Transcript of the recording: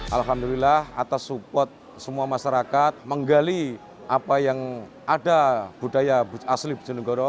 alhamdulillah atas support semua masyarakat menggali apa yang ada budaya asli bjonegoro